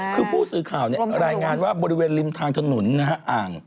คือผู้สื่อข่าวรายงานว่าบริเวณริมทางถนนนะฮะอ่าง